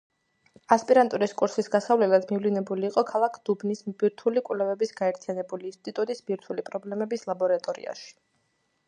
ასპირანტურის კურსის გასავლელად მივლინებული იყო ქალაქ დუბნის ბირთვული კვლევების გაერთიანებული ინსტიტუტის ბირთვული პრობლემების ლაბორატორიაში.